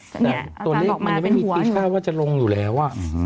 แต่ตัวเลขมันยังไม่มีทีค่าว่าจะลงอยู่แล้ว